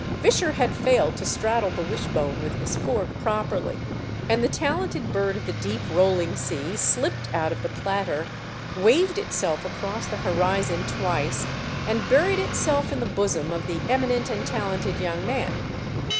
Visscher had failed to straddle the wish bone with his fork properly, and the talented bird of the deep rolling sea slipped out of the platter, waved itself across the horizon twice, and buried itself in the bosom of the eminent and talented young man.